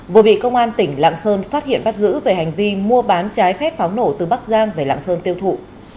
vừa bị công an tỉnh lạng sơn phát hiện bắt giữ về hành vi mua bán trái phép pháo nổ từ bắc giang về lạng sơn tiêu thụ